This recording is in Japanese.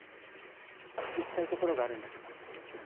行きたい所があるんだけど。